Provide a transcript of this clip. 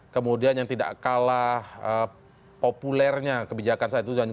kemudian yang tidak kalah populernya kebijakan saat itu